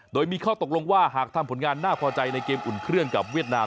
โดยมีข้อตกลงว่าหากทำผลงานน่าพอใจในเกมอุ่นเครื่องกับเวียดนาม